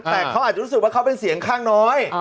แต่เขาอาจจะรู้สึกว่าเขาเป็นเสียงข้างน้อย